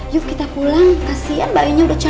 cepat kita pulang kasihan bayinya udah capek